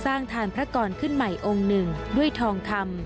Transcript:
หัวและสันเป็นเหล็ก